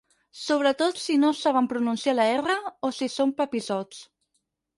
Sobretot si no saben pronunciar la erra o si són papissots.